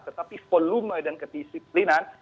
tetapi volume dan ketisiplinan